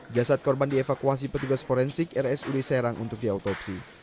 di saat korban dievakuasi petugas forensik rs uli serang untuk diautopsi